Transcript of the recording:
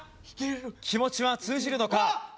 気持ちは通じるのか？